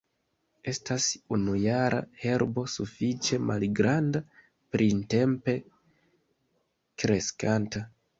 Estas unujara herbo sufiĉe malgranda, printempe kreskanta.